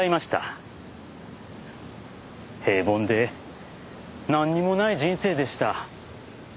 平凡でなんにもない人生でした。